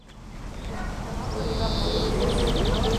好，早啲休息